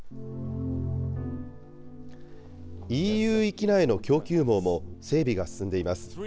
ＥＵ域内の供給網も整備が進んでいます。